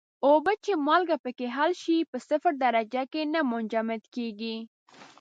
اوبه چې مالګه پکې حل شوې په صفر درجه کې نه منجمد کیږي.